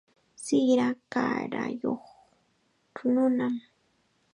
Sira kaarayuq nunam.